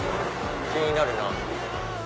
気になるな。